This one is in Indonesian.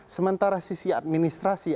sementara sisi administrasi